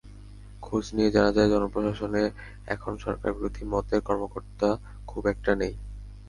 খোঁজ নিয়ে জানা যায়, জনপ্রশাসনে এখন সরকারবিরোধী মতের কর্মকর্তা খুব একটা নেই।